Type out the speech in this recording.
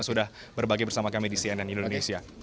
sudah berbagi bersama kami di cnn indonesia